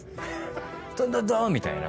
ドンドンドン！みたいな。